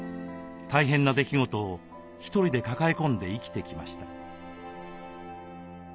大変な出来事をひとりで抱え込んで生きてきました。